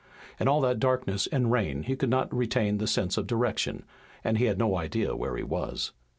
In all that darkness and rain he could not retain the sense of direction, and he had no idea where he was.